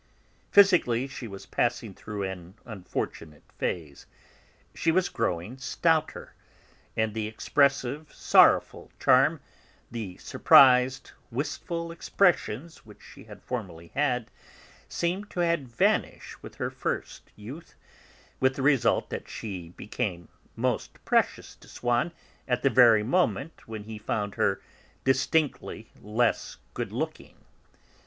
Physically, she was passing through an unfortunate phase; she was growing stouter, and the expressive, sorrowful charm, the surprised, wistful expressions which she had formerly had, seemed to have vanished with her first youth, with the result that she became most precious to Swann at the very moment when he found her distinctly less good looking.